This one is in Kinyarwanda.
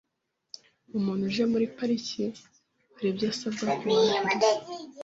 Umuntu uje muri Pariki hari ibyo asabwa kubahiriza